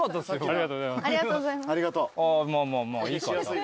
ありがとうございます。